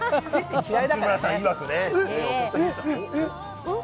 内村さんいわくね。